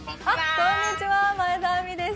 こんにちは前田亜美です。